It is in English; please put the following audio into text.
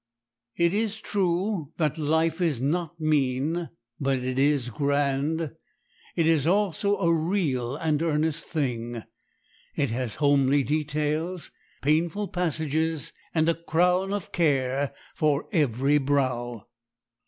It is true, that life is not mean, but it is grand. It is also a real and earnest thing. It has homely details, painful passages, and a crown of care for every brow.